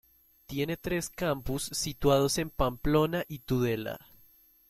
Tiene tres campus situados en Pamplona y Tudela.